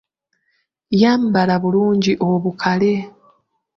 Yambala bulungi obukale.